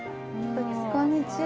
こんにちは。